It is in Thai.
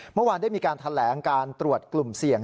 เมื่อวานได้มีการแถลงการตรวจกลุ่มเสี่ยง